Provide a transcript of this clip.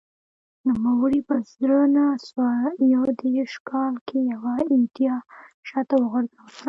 نوموړي په زر نه سوه یو دېرش کال کې یوه ایډیا شا ته وغورځوله